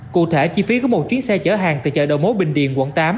cụ thể chi phí có một chuyến xe chở hàng từ chợ đầu mố bình điền quận tám